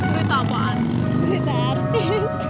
berita apa artis